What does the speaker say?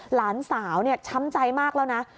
หลานสาวช้ำใจมากแล้วนะ